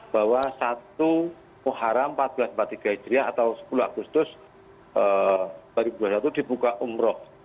bahwa satu muharam seribu empat ratus empat puluh tiga hijriah atau sepuluh agustus dua ribu dua puluh satu dibuka umroh